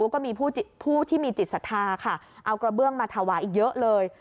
ก็มีผู้ที่มีจิตศรัทธาค่ะเอากระเบื้องมาถวายอีกเยอะเลย